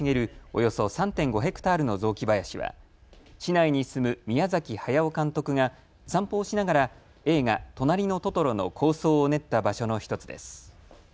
およそ３．５ｈａの雑木林は市内に住む宮崎駿監督が散歩をしながら映画、となりのトトロの構想を練った場所の１つです。